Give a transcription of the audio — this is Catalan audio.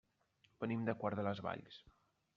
Venim de Quart de les Valls.